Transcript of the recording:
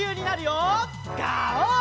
ガオー！